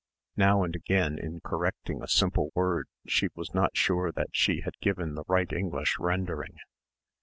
Now and again in correcting a simple word she was not sure that she had given the right English rendering.